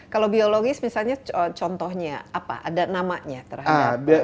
kalau biologis misalnya contohnya apa ada namanya terhadap